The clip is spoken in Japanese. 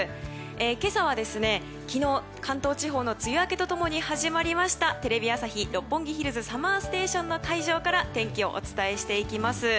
今朝は昨日関東地方の梅雨明けと共に始まりました「テレビ朝日・六本木ヒルズＳＵＭＭＥＲＳＴＡＴＩＯＮ」の会場から天気をお伝えしていきます。